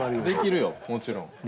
できるよもちろん。